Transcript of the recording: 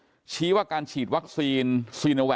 ก็คือเป็นการสร้างภูมิต้านทานหมู่ทั่วโลกด้วยค่ะ